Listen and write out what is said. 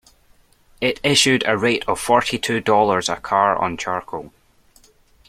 It issued a rate of forty two dollars a car on charcoal.